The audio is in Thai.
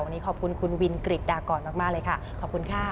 วันนี้ขอบคุณคุณวินกริจดากรมากเลยค่ะขอบคุณค่ะ